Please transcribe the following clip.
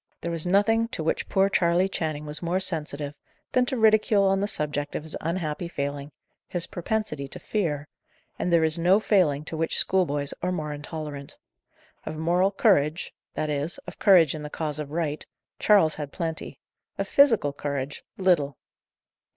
There was nothing to which poor Charley Channing was more sensitive, than to ridicule on the subject of his unhappy failing his propensity to fear; and there is no failing to which schoolboys are more intolerant. Of moral courage that is, of courage in the cause of right Charles had plenty; of physical courage, little.